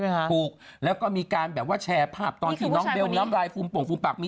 เมื่อวานคือมีภาพฆาตหน้าของคนชื่อน้ำอุ่นเนี่ย